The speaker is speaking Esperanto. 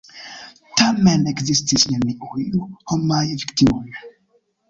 Tamen, ekzistis neniuj homaj viktimoj.